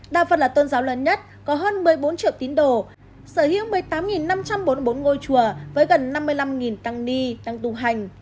đa phần là tôn giáo lớn nhất có hơn một mươi bốn triệu tín đồ sở hữu một mươi tám năm trăm bốn mươi bốn ngôi chùa với gần năm mươi năm tăng ni đang tù hành